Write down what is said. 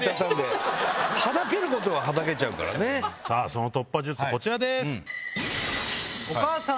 その突破術こちらです。